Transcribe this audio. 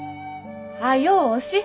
早うおし。